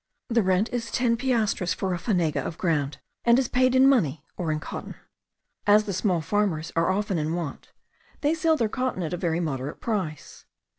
The rent is ten piastres for a fanega of ground, and is paid in money or in cotton. As the small farmers are often in want, they sell their cotton at a very moderate price.